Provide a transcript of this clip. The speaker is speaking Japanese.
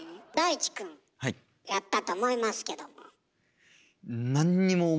やったと思いますけども。